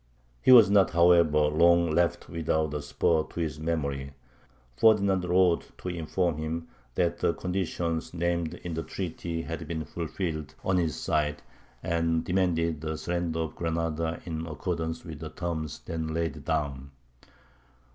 He was not, however, long left without a spur to his memory. Ferdinand wrote to inform him that the conditions named in the treaty had been fulfilled on his side, and demanded the surrender of Granada in accordance with the terms then laid down.